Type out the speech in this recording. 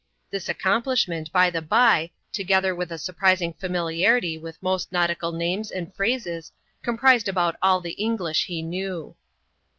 This accom plishment, hj the hjf tc^ther with a surprising familiarity with most nautical names and phrases, comprised about all the English he knew.